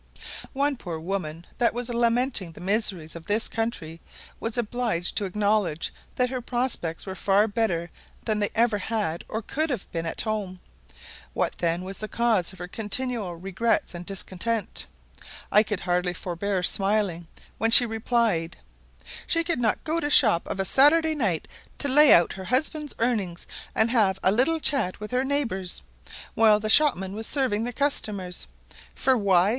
One poor woman that was lamenting the miseries of this country was obliged to acknowledge that her prospects were far better than they ever had or could have been at home. What, then, was the cause of her continual regrets and discontent? I could hardly forbear smiling, when she replied, "She could not go to shop of a Saturday night to lay out her husband's earnings, and have a little chat with her naibors, while the shopman was serving the customers, _for why?